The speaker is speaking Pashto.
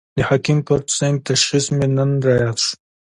د حکیم کرت سېنګ تشخیص مې نن را ياد شو.